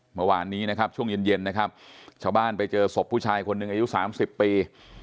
เมื่อวานนี้นะครับช่วงเย็นเย็นนะครับชาวบ้านไปเจอศพผู้ชายคนหนึ่งอายุ๓๐ปี